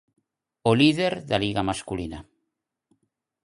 O líder da Liga masculina.